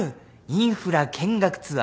インフラ見学ツアー。